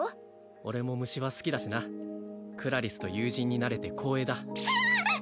俺も虫は好きだしなクラリスと友人になれて光栄だひゃあっ！